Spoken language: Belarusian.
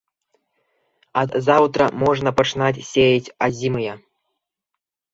А ад заўтра можна пачынаць сеяць азімыя.